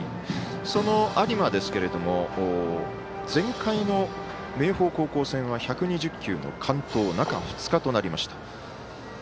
その有馬ですけれども前回の明豊高校戦は１２０球の完投中２日となりました。